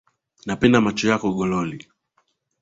Napenda macho yako gololi